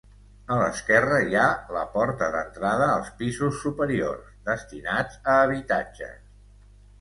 A l'esquerra hi ha la porta d'entrada als pisos superiors, destinats a habitatges.